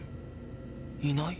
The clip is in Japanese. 「いない」？